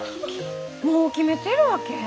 もう決めてるわけ？